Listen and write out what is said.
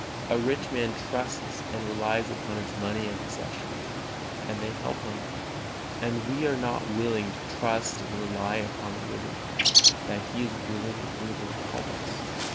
A rich man trusts and relies upon his money and possessions, and they help him; and we are not willing to trust and rely upon the living God, that He is willing and able to help us?